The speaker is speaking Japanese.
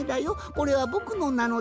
これはぼくのなのだ」。